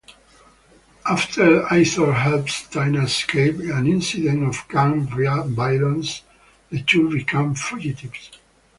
After Althor helps Tina escape an incident of gang violence, the two become fugitives.